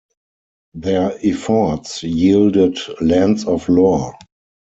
Their efforts yielded "Lands of Lore".